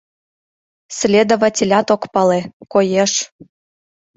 Следователят ок пале, коеш.